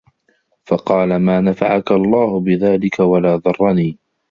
فَقَالَ مَا نَفَعَك اللَّهُ بِذَلِكَ وَلَا ضَرَّنِي